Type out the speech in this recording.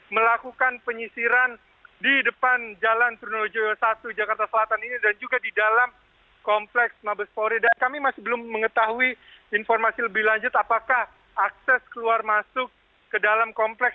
memang berdasarkan video yang kami terima oleh pihak wartawan tadi sebelum kami tiba di tempat kejadian ini memang ada seorang terduga teroris yang berhasil masuk ke dalam kompleks